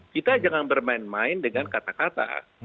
kita jangan bermain main dengan kata kata